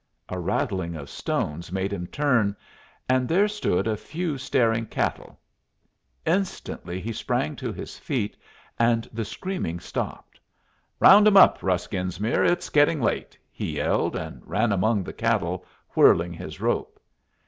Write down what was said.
A rattling of stones made him turn, and there stood a few staring cattle. Instantly he sprang to his feet, and the screaming stopped. "Round 'em up, Russ Genesmere! It's getting late!" he yelled, and ran among the cattle, whirling his rope.